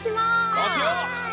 そうしよう！